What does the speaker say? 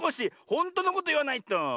ほんとのこといわないと。